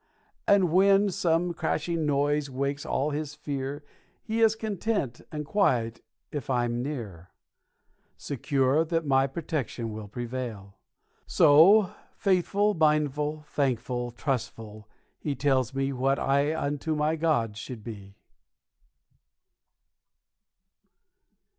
And when some crashing noise wakes all his fear He is content and quiet if I'm near, Secure that my protection will prevail! So, faithful, mindful, thankful, trustful, he Tells me what I unto my God should be.